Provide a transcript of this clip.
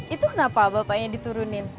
itu kenapa bapaknya diturunin